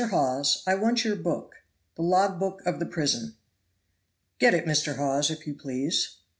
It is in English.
Hawes, I want your book; the log book of the prison." "Get it, Mr. Hawes, if you please."